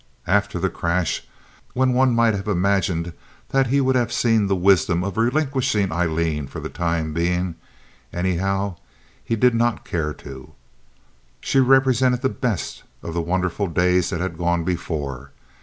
After the crash, when one might have imagined he would have seen the wisdom of relinquishing Aileen for the time being, anyhow, he did not care to. She represented the best of the wonderful days that had gone before.